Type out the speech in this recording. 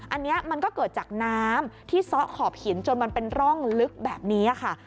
อันนี้มันก็เกิดจากน้ำที่ซ้อขอบหินจนมันเป็นร่องลึกแบบนี้ค่ะ